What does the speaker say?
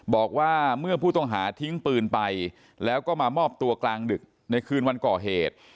บอกว่าเมื่อผู้ต้องหาทิ้งปืนไปแล้วก็มามอบตัวกลางดึกในคืนวันก่อเหตุ